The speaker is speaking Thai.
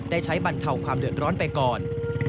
ได้ใช้บรรเทาความเดือดร้อนไปก่อน